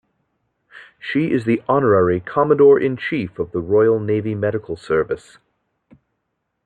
She is the honorary Commodore-in-Chief of the Royal Navy Medical Service.